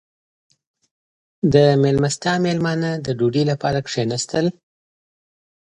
• د میلمستیا مېلمانه د ډوډۍ لپاره کښېناستل.